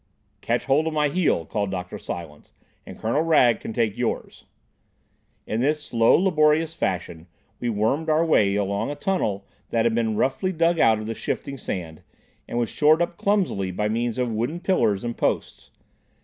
"Catch hold of my heel," called Dr. Silence, "and Colonel Wragge can take yours." In this slow, laborious fashion we wormed our way along a tunnel that had been roughly dug out of the shifting sand, and was shored up clumsily by means of wooden pillars and posts.